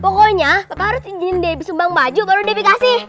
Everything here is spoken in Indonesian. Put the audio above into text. pokoknya papa harus izinin debbie sumbang baju baru debbie kasih